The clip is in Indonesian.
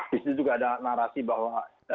disini juga ada narasi bahwa